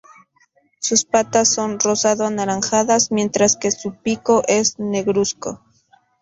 Sus patas son rosado anaranjadas mientras que su pico es negruzco.